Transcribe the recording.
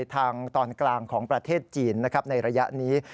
ทางตอนกลางของประเทศจีนนะครับในระยะนี้